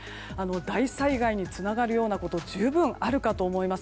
大災害につながるようなこと十分あるかと思います。